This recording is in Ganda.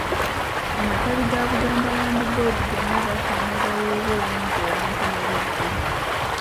Amatabi ga Buganda Land Board gonna gasaana gaweebwe obuyinza obw'enkomeredde.